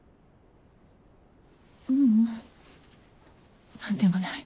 ううん何でもない。